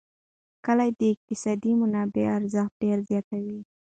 کلي د اقتصادي منابعو ارزښت ډېر زیاتوي.